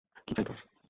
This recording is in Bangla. কি চাই তোর?